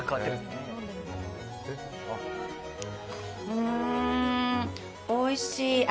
うーん、おいしい！